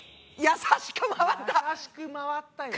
優しく回ったよ。